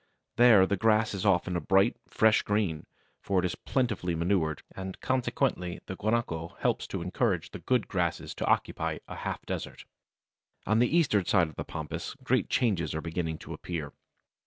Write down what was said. There the grass is often a bright, fresh green, for it is plentifully manured, and consequently the guanaco helps to encourage the good grasses to occupy a half desert. On the eastern side of the Pampas great changes are beginning to appear.